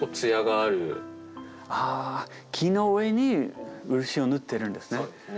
あ木の上に漆を塗ってるんですね。